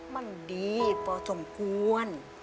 มันดีประสงควร